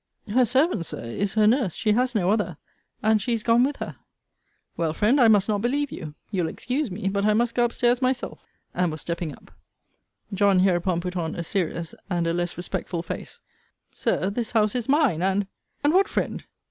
Her servant, Sir, is her nurse: she has no other. And she is gone with her. Well, friend, I must not believe you. You'll excuse me; but I must go up stairs myself. And was stepping up. John hereupon put on a serious, and a less respectful face Sir, this house is mine; and And what, friend?